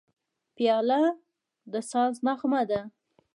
پیاله د ساز نغمه ده.